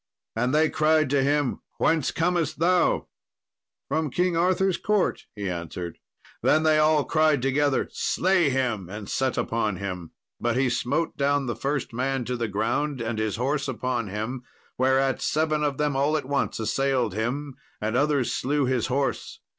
And they cried to him, "Whence comest thou?" "From King Arthur's court," he answered. Then they all cried together, "Slay him," and set upon him. But he smote down the first man to the ground, and his horse upon him; whereat seven of them all at once assailed him, and others slew his horse.